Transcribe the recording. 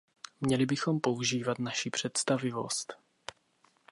Měli bychom používat naši představivost.